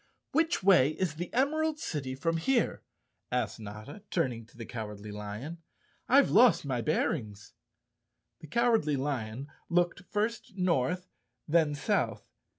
"Which way is the Emerald City from here?" asked Notta, turning to the Cowardly Lion. "I've lost my bearings." The Cowardly Lion looked first north, then south.